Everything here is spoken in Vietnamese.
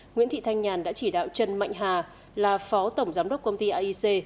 nguyễn thị thanh nhàn đã chỉ đạo trần mạnh hà là phó tổng giám đốc công ty aic